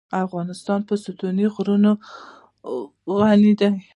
افغانستان په ستوني غرونه غني دی.